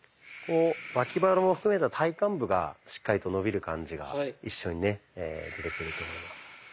脇腹も含めた体幹部がしっかりと伸びる感じが一緒にね出てくると思います。